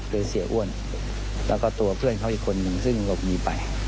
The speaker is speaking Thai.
โดยเสียอ้วนแล้วก็ตัวเพื่อนเขาอีกคนนึงซึ่งหลบหนีไป